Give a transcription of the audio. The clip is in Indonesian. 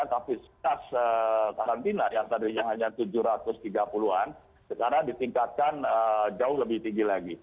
kapasitas karantina yang tadinya hanya tujuh ratus tiga puluh an sekarang ditingkatkan jauh lebih tinggi lagi